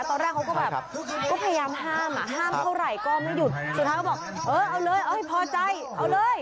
ตอนแรกเขาก็แบบก็พยายามห้ามอ่ะห้ามเท่าไหร่ก็ไม่หยุดสุดท้ายเขาบอกเออเอาเลยเอาให้พอใจเอาเลย